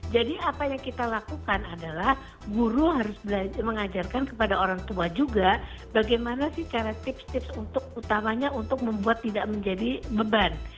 jadi apa yang kita lakukan adalah guru harus mengajarkan kepada orang tua juga bagaimana sih cara tips tips untuk utamanya untuk membuat tidak menjadi beban